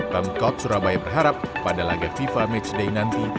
pemkot surabaya berharap pada laga fifa matchday nanti